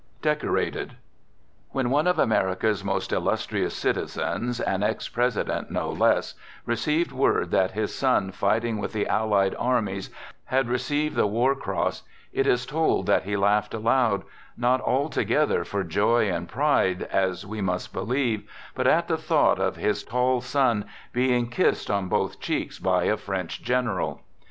DECORATED When one of America's most illustrious citizens, an ex president no less, received word that his son fight ing with the Allied armies, had received the war Cross, it is told that he laughed aloud, not alto gether for joy and pride, as we must believe, but at the thought of his' tall son being kissed on both cheeks by a French general.